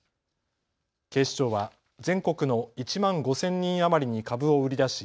警視庁は全国の１万５０００人余りに株を売り出し